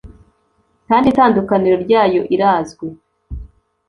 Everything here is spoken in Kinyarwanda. Kandi itandukaniro ryayo irazwi